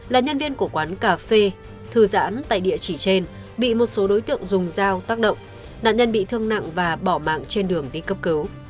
là nhân viên của quán cà phê thư giãn tại địa chỉ trên bị một số đối tượng dùng dao tác động nạn nhân bị thương nặng và bỏ mạng trên đường đi cấp cứu